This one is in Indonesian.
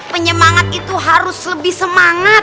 penyemangat itu harus lebih semangat